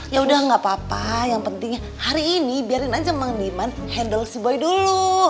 yaudah gak apa apa yang penting hari ini biarin aja emang diman handle si boy dulu